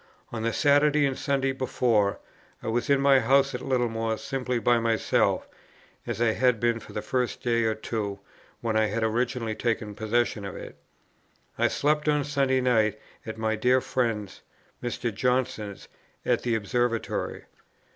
On the Saturday and Sunday before, I was in my house at Littlemore simply by myself, as I had been for the first day or two when I had originally taken possession of it. I slept on Sunday night at my dear friend's, Mr. Johnson's, at the Observatory.